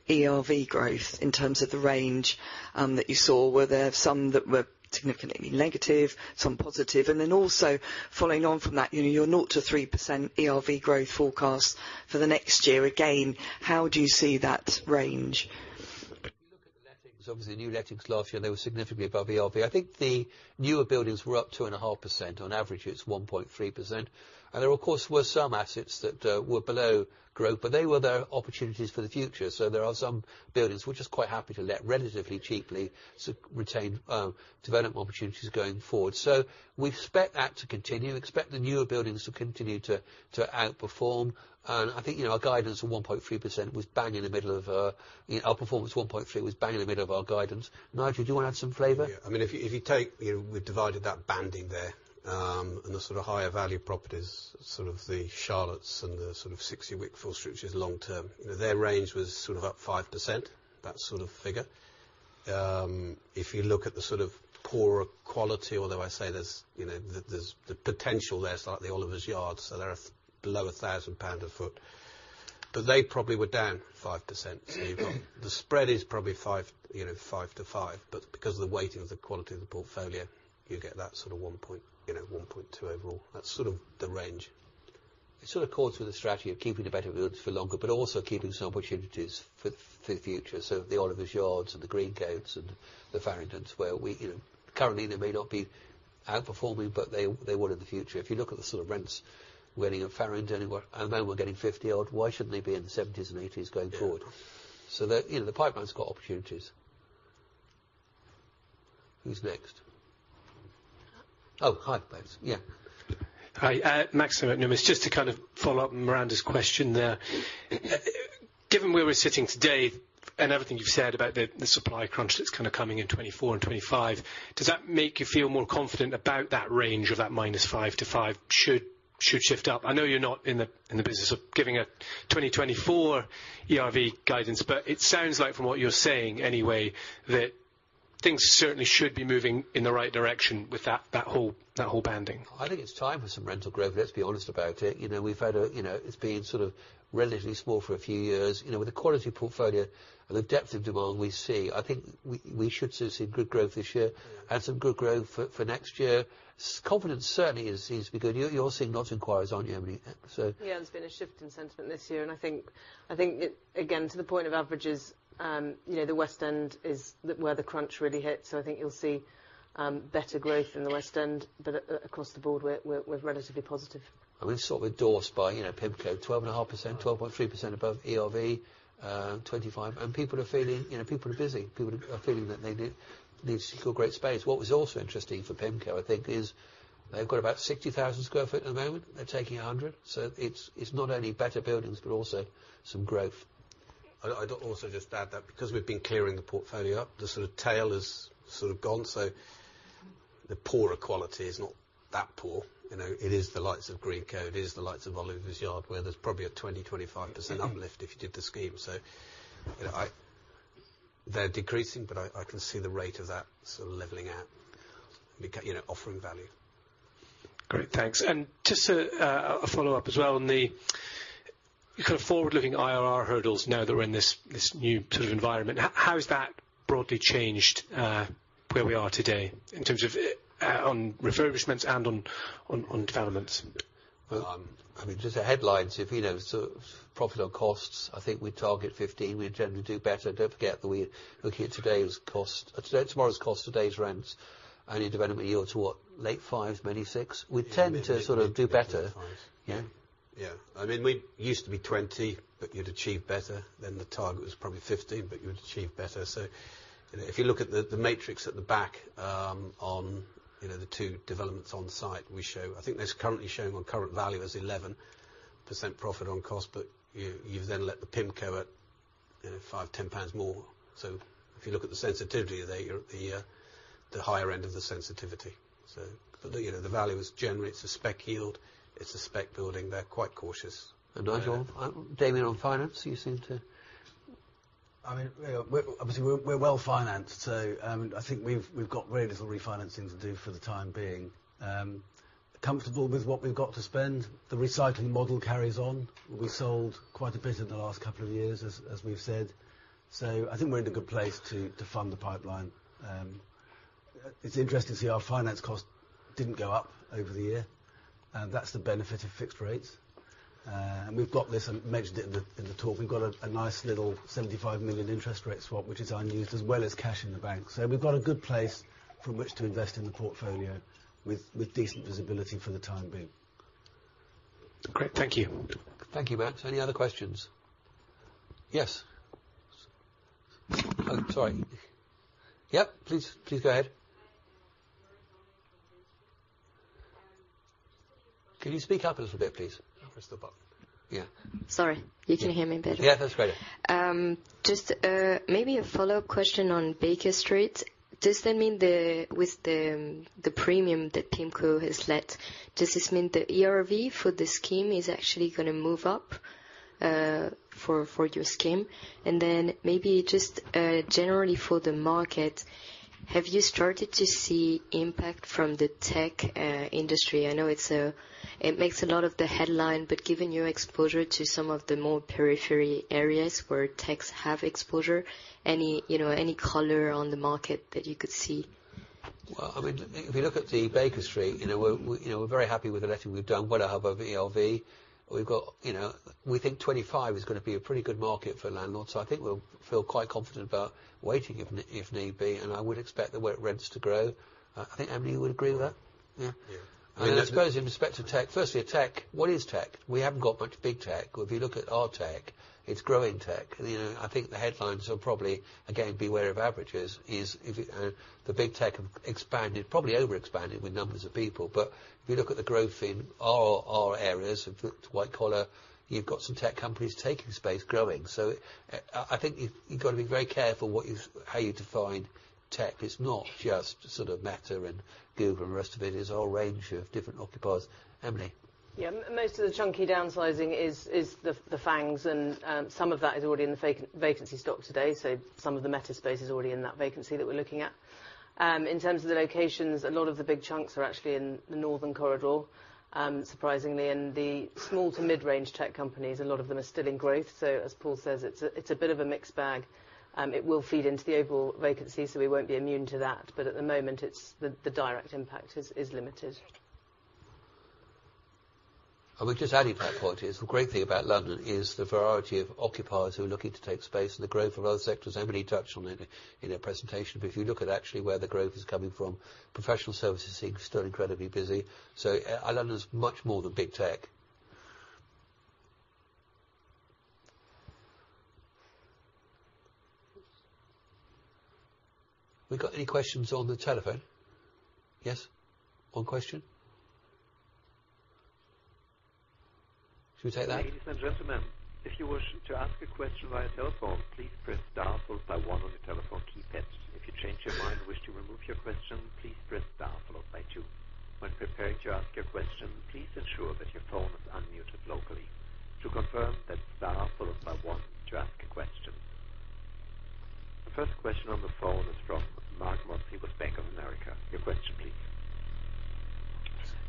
ERV growth in terms of the range that you saw? Were there some that were significantly negative, some positive? Also following on from that, you know, your north of 3% ERV growth forecast for the next year. Again, how do you see that range? If you look at the lettings, obviously the new lettings last year, they were significantly above ERV. I think the newer buildings were up 2.5%. On average, it's 1.3%. There, of course, were some assets that were below growth, but there are opportunities for the future. There are some buildings we're just quite happy to let relatively cheaply to retain development opportunities going forward. We expect that to continue, expect the newer buildings to continue to outperform. I think, you know, our guidance of 1.3% was bang in the middle of, you know, our performance of 1.3 was bang in the middle of our guidance. Nigel, do you wanna add some flavor? Yeah. I mean, if you take, you know, we've divided that banding there, and the sort of higher value properties, sort of the Charlottes and the sort of 60 Whitfield Street, which is long-term. You know, their range was sort of up 5%, that sort of figure. If you look at the sort of poorer quality, although I say there's, you know, there's the potential there, like the Oliver's Yard. They're below 1,000 pound a foot. They probably were down 5%. You've got, the spread is probably 5%, you know, 5% to 5%. Because of the weighting of the quality of the portfolio, you get that sort of you know, 1.2 overall. That's sort of the range. It sort of calls for the strategy of keeping the better buildings for longer, but also keeping some opportunities for the future. The Oliver's Yards and the Greencoat and the Farringdons, where we, you know, currently they may not be outperforming, but they will in the future. If you look at the sort of rents we're getting in Farringdon and they were getting 50 odd, why shouldn't they be in the GBP 70s and GBP 80s going forward? Yeah. The, you know, the pipeline's got opportunities. Who's next? Oh, hi. Thanks. Yeah. Hi. Max Nimmo at Numis. Just to kind of follow up Miranda's question there. Given where we're sitting today and everything you've said about the supply crunch that's kind of coming in 2024 and 2025, does that make you feel more confident about that range of that -5% to 5%, should shift up? I know you're not in the business of giving a 2024 ERV guidance, it sounds like from what you're saying anyway, that things certainly should be moving in the right direction with that whole banding. I think it's time for some rental growth. Let's be honest about it. You know, it's been sort of relatively small for a few years. You know, with the quality of portfolio and the depth of demand we see, I think we should see some good growth this year. Some good growth for next year. Confidence certainly seems to be good. You're seeing a lot of inquiries, aren't you, Emily? So. Yeah. There's been a shift in sentiment this year, and I think, I think it, again, to the point of averages, you know, the West End is where the crunch really hit. I think you'll see better growth in the West End, but across the board we're relatively positive. We're sort of endorsed by, you know, PIMCO, 12.5%, 12.3% above ERV, 25. People are feeling, you know, people are busy. People are feeling that they need secure great space. What was also interesting for PIMCO, I think, is they've got about 60,000 sq ft at the moment. They're taking 100. It's, it's not only better buildings, but also some growth. I'd also just add that because we've been clearing the portfolio up, the sort of tail has sort of gone. The poorer quality is not that poor. You know? It is the likes of Greencoat, it is the likes of Oliver's Yard, where there's probably a 20%-25% uplift if you did the scheme. You know, they're decreasing, but I can see the rate of that sort of leveling out, you know, offering value. Great. Thanks. Just a follow-up as well on the kind of forward-looking IRR hurdles now that we're in this new sort of environment. How has that broadly changed where we are today in terms of on refurbishments and on developments. I mean, just the headlines. You know, profit on costs, I think we target 15%, we generally do better. Don't forget that we're looking at today's cost, tomorrow's cost, today's rents, only development yield to what? Late fives, maybe 6%. We tend to sort of do better. Yeah. Yeah. I mean, we used to be 20, but you'd achieve better. The target was probably 15, but you'd achieve better. If you look at the matrix at the back, on, you know, the two developments on site, we show... I think that's currently showing on current value as 11% profit on cost. You then let the PIMCO at, you know, 5, 10 pounds more. If you look at the sensitivity there, you're at the higher end of the sensitivity. You know, the value is generally, it's a spec yield, it's a spec building, they're quite cautious. Nigel, Damian, on finance, you seem to. I mean, we're obviously well-financed. I think we've got very little refinancing to do for the time being. Comfortable with what we've got to spend. The recycling model carries on. We sold quite a bit in the last couple of years, as we've said. I think we're in a good place to fund the pipeline. It's interesting to see our finance cost didn't go up over the year, that's the benefit of fixed rates. We've got this, I mentioned it in the talk, we've got a nice little 75 million interest rate swap, which is unused, as well as cash in the bank. We've got a good place from which to invest in the portfolio with decent visibility for the time being. Great. Thank you. Thank you, Max. Any other questions? Yes. Oh, sorry. Yep, please go ahead. Can you speak up a little bit, please? Press the button. Yeah. Sorry. You can hear me better? Yeah, that's better. Just maybe a follow-up question on Baker Street. Does that mean with the premium that PIMCO has let, does this mean the ERV for the scheme is actually gonna move up for your scheme? Maybe just generally for the market, have you started to see impact from the tech industry? I know it's it makes a lot of the headline, but given your exposure to some of the more periphery areas where techs have exposure, any, you know, any color on the market that you could see? Well, I mean, if you look at the Baker Street, you know, we're, you know, we're very happy with the letting we've done. Well above ERV. We've got, you know. We think 2025 is going to be a pretty good market for landlords, I think we'll feel quite confident about waiting if need be, I would expect the rents to grow. I think Emily would agree with that. Yeah. Yeah. I suppose in respect to tech, firstly a tech, what is tech? We haven't got much big tech. If you look at our tech, it's growing tech. You know, I think the headlines will probably, again, beware of averages, is if you know, the big tech have expanded, probably overexpanded with numbers of people. If you look at the growth in our areas of the white collar, you've got some tech companies taking space, growing. I think you've got to be very careful what you're, how you define tech. It's not just sort of Meta and Google and the rest of it's a whole range of different occupiers. Emily. Yeah. Most of the chunky downsizing is the FANGs, and some of that is already in the vacancy stock today. Some of the Meta space is already in that vacancy that we're looking at. In terms of the locations, a lot of the big chunks are actually in the northern corridor, surprisingly. The small to mid-range tech companies, a lot of them are still in growth. As Paul says, it's a bit of a mixed bag. It will feed into the overall vacancy, so we won't be immune to that. At the moment, the direct impact is limited. We just added that point. The great thing about London is the variety of occupiers who are looking to take space and the growth of other sectors. Emily touched on it in her presentation. If you look at actually where the growth is coming from, professional services seem still incredibly busy. London's much more than big tech. We got any questions on the telephone? Yes. One question. Should we take that? Ladies and gentlemen, if you wish to ask a question via telephone, please press star followed by one on your telephone keypads. If you change your mind and wish to remove your question, please press star followed by two. When preparing to ask your question, please ensure that your phone is unmuted locally. To confirm, that's star followed by one to ask a question. The first question on the phone is from Mark Moseley, Bank of America. Your question please.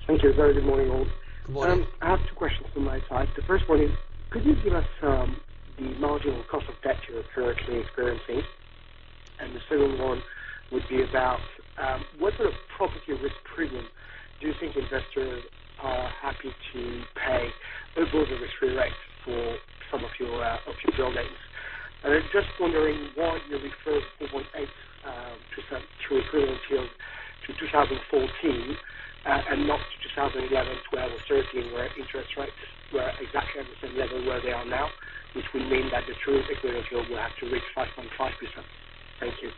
Thank you. Very good morning all. Good morning. I have two questions on my side. The first one is, could you give us the marginal cost of debt you are currently experiencing? The second one would be about what sort of property risk premium do you think investors are happy to pay over the risk-free rate for some of your of your buildings? I'm just wondering why you refer to 0.8% true equivalent yield to 2014 and not 2011, 12 or 13, where interest rates were exactly at the same level where they are now, which would mean that the true equivalent yield will have to reach 5.5%. Thank you.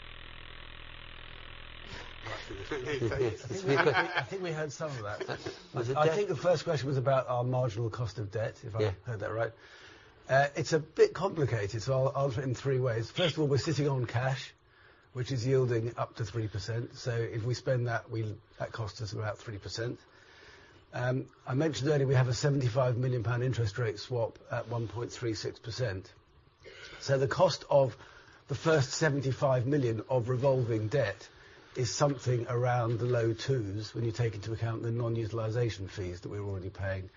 I think we heard some of that. Was it debt? I think the first question was about our marginal cost of debt. Yeah If I heard that right. It's a bit complicated, I'll answer it in three ways. First of all, we're sitting on cash, which is yielding up to 3%. If we spend that, That costs us about 3%. I mentioned earlier, we have a GBP 75 million interest rate swap at 1.36%. The cost of the first 75 million of revolving debt is something around the low 2s when you take into account the non-utilization fees that we're already paying.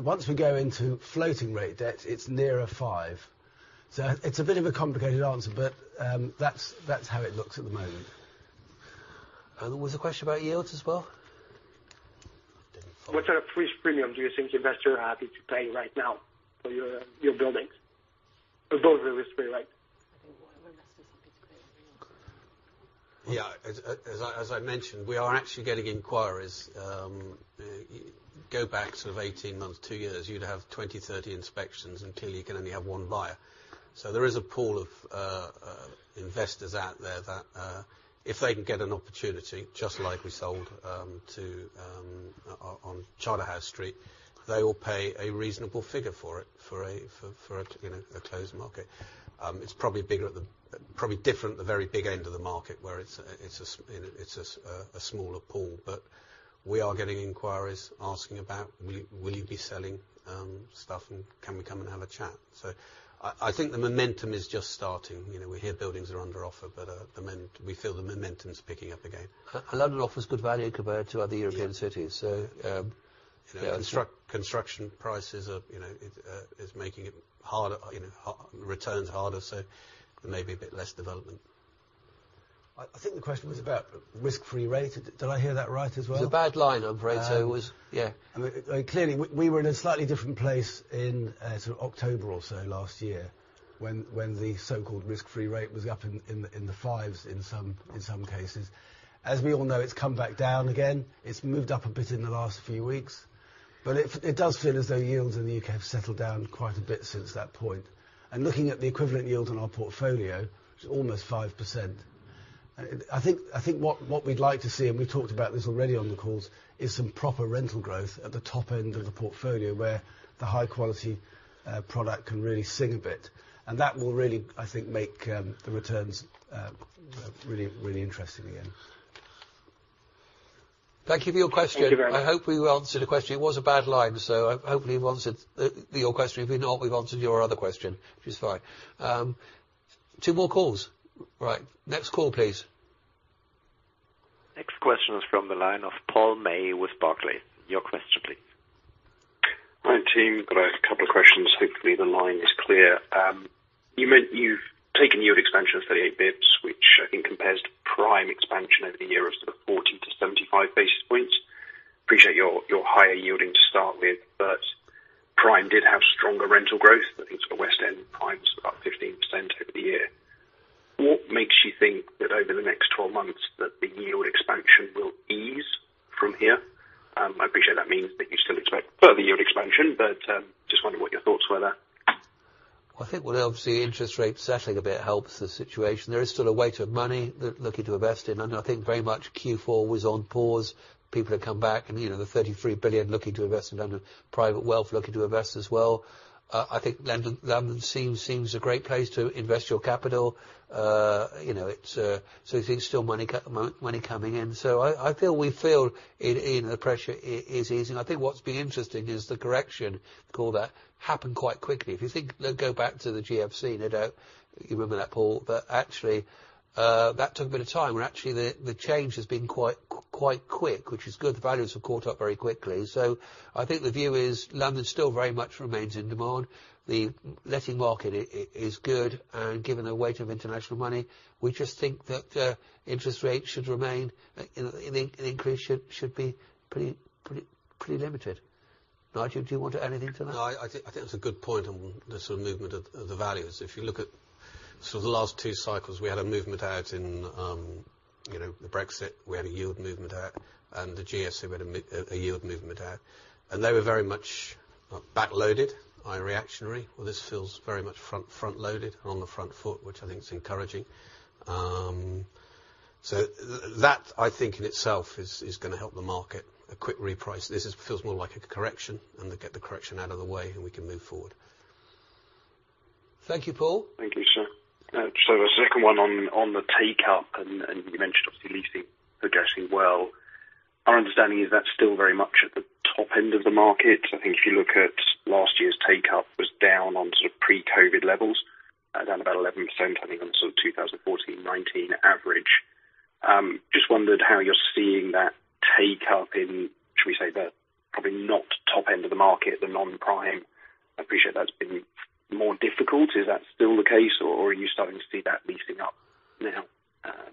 Once we go into floating rate debt, it's nearer five. It's a bit of a complicated answer, but, that's how it looks at the moment. There was a question about yields as well? What sort of price premium do you think investors are happy to pay right now for your buildings above the risk-free rate? I think what our investors are happy to pay every month. Yeah. As I mentioned, we are actually getting inquiries. Go back sort of 18 months, two years, you'd have 20, 30 inspections until you can only have one buyer. There is a pool of investors out there that, if they can get an opportunity, just like we sold to on Charterhouse Street, they will pay a reasonable figure for it, for a, you know, a closed market. It's probably different at the very big end of the market, where it's a smaller pool. We are getting inquiries asking about, "Will you be selling stuff and can we come and have a chat?" I think the momentum is just starting. You know, we hear buildings are under offer, but we feel the momentum is picking up again. London offers good value compared to other European cities. Yeah. Yeah. You know, construction prices are, you know, is making it harder, you know, returns harder, so there may be a bit less development. I think the question was about risk-free rate. Did I hear that right as well? It was a bad line, I'm afraid, so it was. Yeah. I mean, clearly we were in a slightly different place in sort of October or so last year when the so-called risk-free rate was up in the fives in some cases. As we all know, it's come back down again. It's moved up a bit in the last few weeks. It does feel as though yields in the U.K. have settled down quite a bit since that point. Looking at the equivalent yields on our portfolio, it's almost 5%. I think what we'd like to see, and we've talked about this already on the calls, is some proper rental growth at the top end of the portfolio where the high quality product can really sing a bit. That will really, I think, make the returns really interesting again. Thank you for your question. Thank you very much. I hope we answered the question. It was a bad line, so hopefully we answered your question. If not, we've answered your other question, which is fine. 2 more calls. Next call, please. Next question is from the line of Paul May with Barclays. Your question please. Hi, team. Got a couple of questions. Hopefully the line is clear. You meant you've taken yield expansion of 38 bps, which I think compares to Prime expansion over the year of sort of 40-75 basis points. Appreciate your higher yielding to start with, but Prime did have stronger rental growth. I think sort of West End Prime's up 15% over the year. What makes you think that over the next 12 months that the yield expansion will ease from here? I appreciate that means that you still expect further yield expansion, but, just wondering what your thoughts were there. I think what helps the interest rates settling a bit helps the situation. There is still a weight of money looking to invest in, and I think very much Q4 was on pause. People have come back, you know, the 33 billion looking to invest in London. Private wealth looking to invest as well. I think London seems a great place to invest your capital. you know, it's. I think still money coming in. I feel, we feel in the pressure is easing. I think what's been interesting is the correction, call that, happened quite quickly. If you think, go back to the GFC, and I don't... You remember that, Paul? But actually, that took a bit of time, when actually the change has been quite quick, which is good. The values have caught up very quickly. I think the view is London still very much remains in demand. The letting market is good, and given the weight of international money, we just think that interest rates should remain, you know, an increase should be pretty limited. Nigel, do you want to add anything to that? No, I think, I think that's a good point on the sort of movement of the values. If you look at sort of the last two cycles, we had a movement out in, you know, the Brexit. We had a yield movement out, and the GFC, we had a yield movement out. They were very much back-loaded by reactionary. This feels very much front-loaded and on the front foot, which I think is encouraging. That I think in itself is gonna help the market, a quick reprice. This feels more like a correction and then get the correction out of the way, and we can move forward. Thank you, Paul. Thank you, sir. The second one on the take-up and you mentioned obviously leasing progressing well. Our understanding is that's still very much at the top end of the market. I think if you look at last year's take-up was down on sort of pre-COVID levels, down about 11%, I think on the sort of 2014-2019 average. Just wondered how you're seeing that take-up in, should we say the probably not top end of the market, the non-Prime. I appreciate that's been more difficult. Is that still the case, or are you starting to see that leasing up now,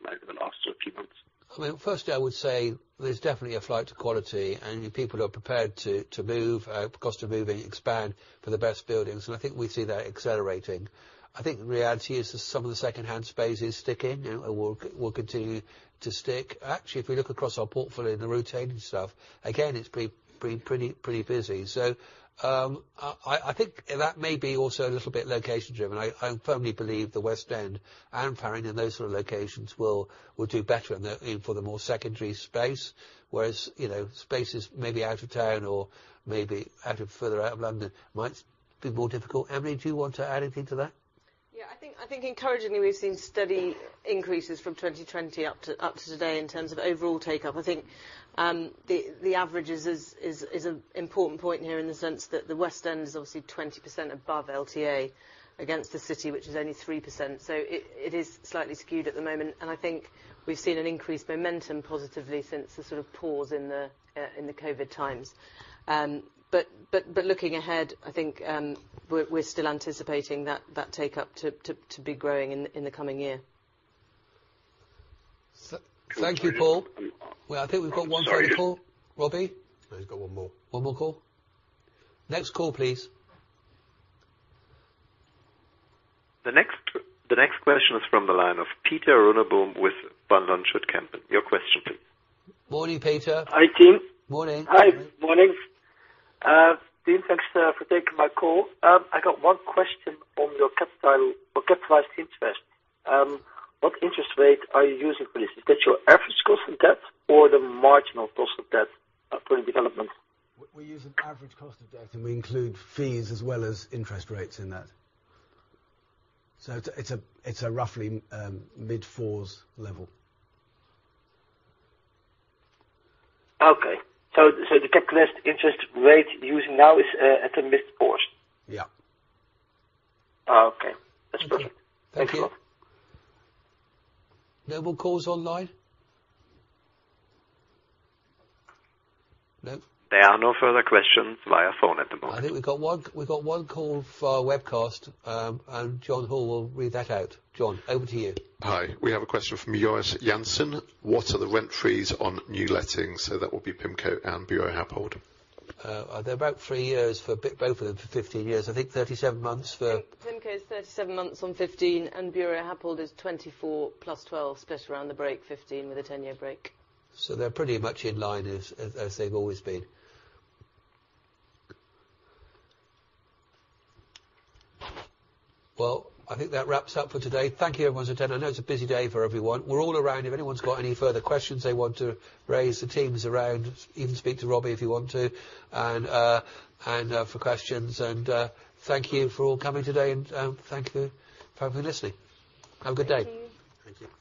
over the last sort of few months? I mean, firstly, I would say there's definitely a flight to quality and people are prepared to move, cost of moving, expand for the best buildings, and I think we see that accelerating. I think the reality is that some of the second-hand space is sticking, you know, will continue to stick. Actually, if we look across our portfolio in the retaining stuff, again, it's pretty busy. I think that may be also a little bit location driven. I firmly believe the West End and Farringdon, those sort of locations will do better in the, for the more secondary space. Whereas, you know, spaces maybe out of town or maybe further out of London might be more difficult. Emily, do you want to add anything to that? Yeah. I think encouragingly, we've seen steady increases from 2020 up to today in terms of overall take-up. I think the average is an important point here in the sense that the West End is obviously 20% above LTA against the city, which is only 3%. It is slightly skewed at the moment. I think we've seen an increased momentum positively since the sort of pause in the COVID times. Looking ahead, I think we're still anticipating that take-up to be growing in the coming year. Thank you, Paul. Well, I think we've got one final call. Robbie? No, he's got one more. One more call? Next call, please. The next question is from the line of Pieter Runneboom with Van Lanschot Kempen. Your question please. Morning, Peter. Hi, team. Morning. Hi. Morning. Team, thanks for taking my call. I got one question on your capital or capitalized interest. What interest rate are you using for this? Is that your average cost of debt or the marginal cost of debt for the development? We use an average cost of debt, and we include fees as well as interest rates in that. It's a roughly mid-4s level. Okay. So the capitalized interest rate using now is at a mid-fours? Yeah. Oh, okay. That's perfect. Thank you. Thanks a lot. No more calls online? No? There are no further questions via phone at the moment. I think we've got one call for our webcast. Jon Hall will read that out. Jon, over to you. Hi. We have a question from Joris Jansen. What are the rent frees on new lettings? That will be PIMCO and Buro Happold. They're about three years for both of them to 15 years. I think 37 months. PIMCO is 37 months on 15, and Buro Happold is 24 plus 12 split around the break 15, with a 10-year break. They're pretty much in line as they've always been. I think that wraps up for today. Thank you everyone who attended. I know it's a busy day for everyone. We're all around. If anyone's got any further questions they want to raise, the team is around. You can speak to Robbie if you want to, and, for questions. Thank you for all coming today and, thank you for listening. Have a good day. Thank you. Thank you.